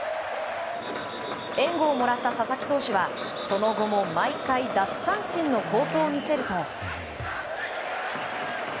援護をもらった佐々木投手はその後も毎回、奪三振の好投を見せると。